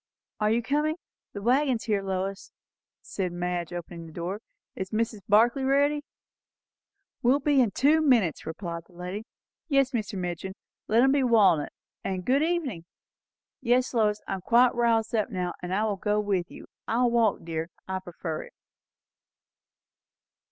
"Are you coming? The waggon's here, Lois," said Madge, opening the door. "Is Mrs. Barclay ready?" "Will be in two minutes," replied that lady. "Yes, Mr. Midgin, let them be walnut; and good evening! Yes, Lois, I am quite roused up now, and I will go with you. I will walk, dear; I prefer it."